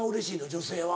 女性は。